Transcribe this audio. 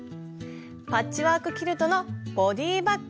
パッチワークキルトのボディーバッグ。